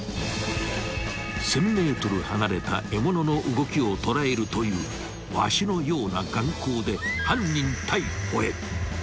［１，０００ｍ離れた獲物の動きを捉えるというワシのような眼光で犯人逮捕へ］